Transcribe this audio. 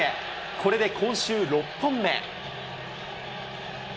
これで今週６本目。